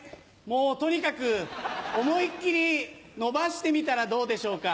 もうとにかく思いっ切り伸ばしてみたらどうでしょうか？